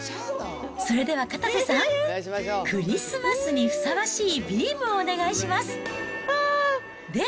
それではかたせさん、クリスマスにふさわしいビームをお願いします。